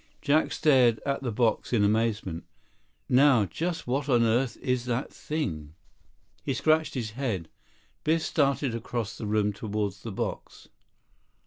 Jack stared at the box in amazement. "Now just what on earth is that thing?" He scratched his head. Biff started across the room toward the box.